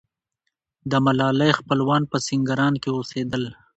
د ملالۍ خپلوان په سینګران کې اوسېدل.